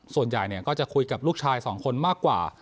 ส่วนใหญ่ก็จะคุยกับลูกชายสองคนมากกว่า